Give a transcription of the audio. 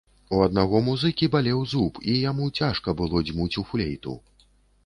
У аднаго музыкі балеў зуб, і яму цяжка было дзьмуць у флейту.